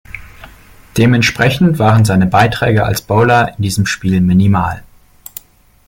Dementsprechend waren seine Beiträge als Bowler in diesem Spiel minimal.